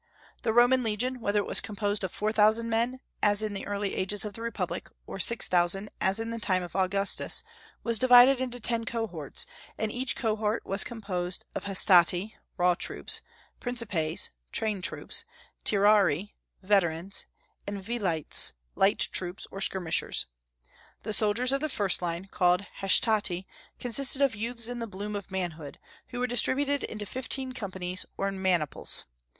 The Roman legion whether it was composed of four thousand men, as in the early ages of the republic, or six thousand, as in the time of Augustus was divided into ten cohorts, and each cohort was composed of Hastati (raw troops), Principes (trained troops), Triarii (veterans), and Velites (light troops, or skirmishers). The soldiers of the first line, called Hastati, consisted of youths in the bloom of manhood, who were distributed into fifteen companies, or maniples.